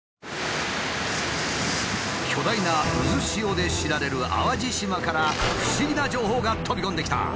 巨大な渦潮で知られる淡路島から不思議な情報が飛び込んできた。